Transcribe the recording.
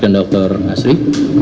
dan dokter asri